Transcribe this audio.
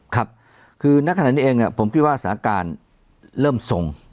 ครับคือนักขณะนี้เองเนี่ยผมคิดว่าสถานการณ์เริ่มทรง